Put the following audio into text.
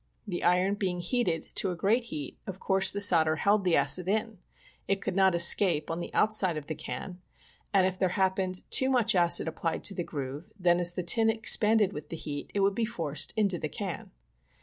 The iron being heated to a great heat, of course the solder held the acid in — it could not escape on the outside of the can, and if there happened too much acid applied to the groove, then as the tin expanded with the heat it would be forced into the can.